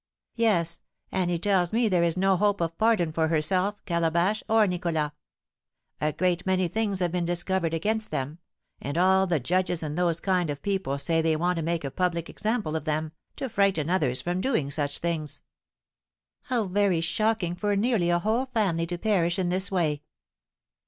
"Yes; and he tells me there is no hope of pardon for herself, Calabash, or Nicholas. A great many things have been discovered against them; and all the judges and those kind of people say they want to make a public example of them, to frighten others from doing such things." "How very shocking for nearly a whole family to perish in this way."